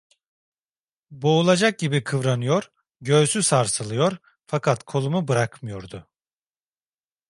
Boğulacak gibi kıvranıyor, göğsü sarsılıyor, fakat kolumu bırakmıyordu.